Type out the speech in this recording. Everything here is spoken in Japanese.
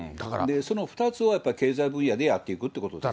その２つをやっぱり、経済分野でやっていくっていうことです。